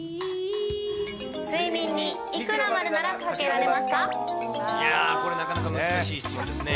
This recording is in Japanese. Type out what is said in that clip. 睡眠にいくらまでならかけらいやー、これ、なかなか難しい質問ですね。